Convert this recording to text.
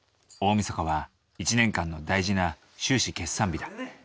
大みそかは１年間の大事な収支決算日だ。